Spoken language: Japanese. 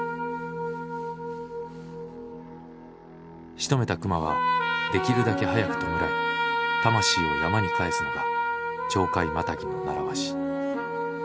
しとめた熊はできるだけ早く弔い魂を山に返すのが鳥海マタギの習わし。